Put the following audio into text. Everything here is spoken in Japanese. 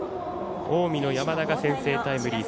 近江の山田が先制タイムリー。